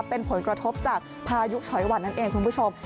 เป็นผลกระทบจากพายุฉอยหวันนั่นเองคุณผู้ชม